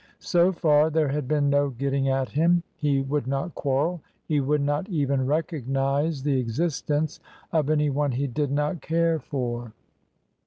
So far there had been no getting at him. He would not quarrel. He would not even recognise the existence of any one he did not care for.